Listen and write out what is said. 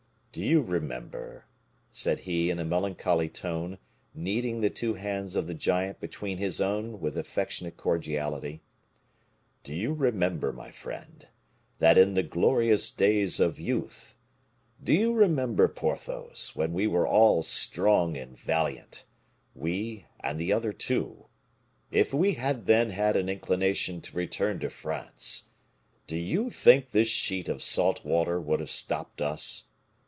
"Do you remember," said he, in a melancholy tone, kneading the two hands of the giant between his own with affectionate cordiality, "do you remember, my friend, that in the glorious days of youth do you remember, Porthos, when we were all strong and valiant we, and the other two if we had then had an inclination to return to France, do you think this sheet of salt water would have stopped us?"